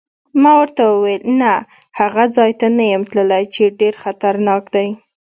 ما ورته وویل: نه، هغه ځای ته نه یم تللی چې ډېر خطرناک دی.